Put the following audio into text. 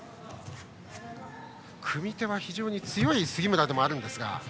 組み手は非常に強い杉村でもありますが。